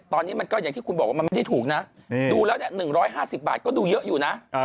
ตอนนี้มันก็อย่างที่คุณบอกว่ามันไม่ได้ถูกนะดูแล้ว๑๕๐บาทก็ดูเยอะอยู่นะ